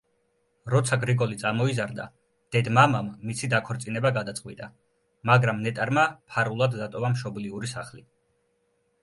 როცა გრიგოლი წამოიზარდა, დედ-მამამ მისი დაქორწინება გადაწყვიტა, მაგრამ ნეტარმა ფარულად დატოვა მშობლიური სახლი.